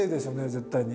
絶対に。